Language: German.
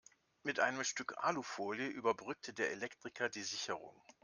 Mit einem Stück Alufolie überbrückte der Elektriker die Sicherung.